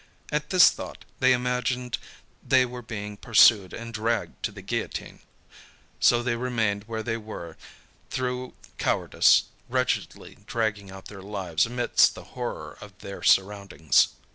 At this thought, they imagined they were being pursued and dragged to the guillotine. So they remained where they were through cowardice, wretchedly dragging out their lives amidst the horror of their surroundings.